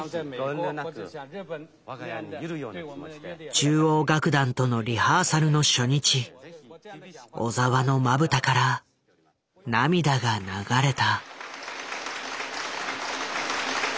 中央楽団とのリハーサルの初日小澤のまぶたから涙が流れた。